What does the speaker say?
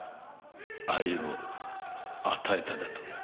愛を与えただと？